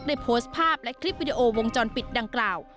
โพสต์ภาพและคลิปวิดีโอวงจรปิดดังกล่าว